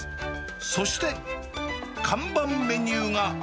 そして、看板メニューが。